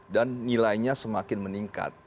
dan nilainya semakin meningkat